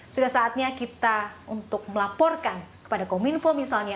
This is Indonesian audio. sudah saatnya kita untuk melaporkan kepada kominfo misalnya